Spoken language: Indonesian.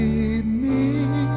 ya allah yang kuanggu